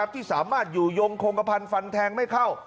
ที่สามารถอยู่ยงโครงกระพันธ์ฟันแทงไม่เข้า